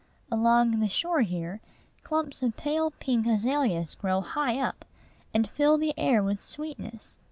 Along the shore here, clumps of pale pink azaleas grow high up, and fill the air with sweetness.